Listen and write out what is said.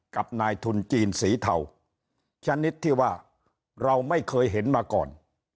กับนายทุนจีนสีเทาชนิดที่ว่าเราไม่เคยเห็นมาก่อน